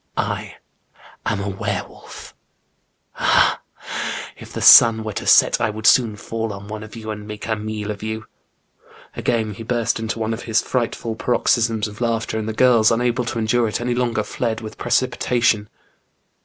I am a were wolf ! Ah, ha ! if the sun were to set I wpuld soon fall on one of you and make a meal of you !*' Again he burst into one of his frightful paroxysms of laughter, and the girls unable to endure it any longer, fled with precipitation.